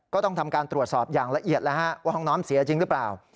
ก็ต้องทำการตรวจสอบอย่างละเอียดแล้วฮะว่าห้องน้ำเสียจริงหรือเปล่า